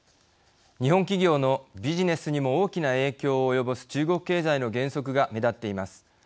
日本企業のビジネスにも大きな影響を及ぼす中国経済の減速が目立っています。